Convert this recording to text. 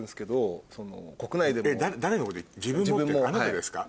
「自分も」ってあなたですか？